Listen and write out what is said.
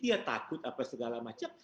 dia takut apa segala macam